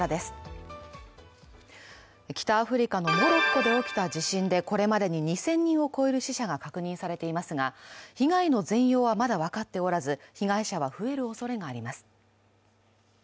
北アフリカのモロッコで起きた地震でこれまでに２０００人を超える死者が確認されていますが、被害の全容はまだ分かっておらず被害者は増えるおそれがあります。